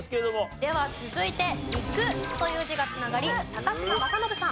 では続いて「陸」という字が繋がり嶋政伸さん。